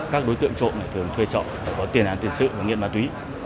các đối tượng trộm thường thuê trộm có tiền án tiền sự và nghiện bán túy